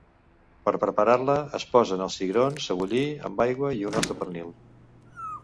Per preparar-la, es posen els cigrons a bullir amb aigua i un os de pernil.